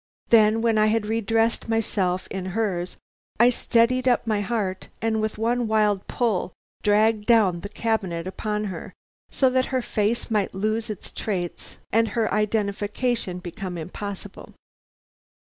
Then, when I had re dressed myself in hers, I steadied up my heart and with one wild pull dragged down the cabinet upon her so that her face might lose its traits and her identification become impossible.